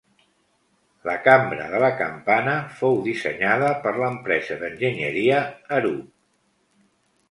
La cambra de la campana fou dissenyada per l'empresa d'enginyeria Arup.